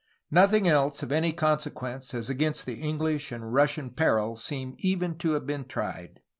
Nothing else of any consequence as against the English and Russian peril seems even to have been tried.